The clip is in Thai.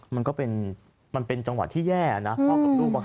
มันก็เป็นมันเป็นจังหวะที่แย่นะพ่อกับลูกมันค่ะ